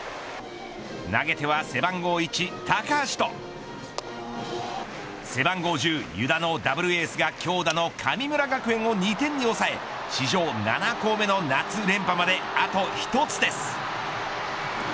投げては背番号１、高橋と背番号１０、湯田のダブルエースが強打の神村学園を２点に抑え史上７校目の夏連覇まであと１つです。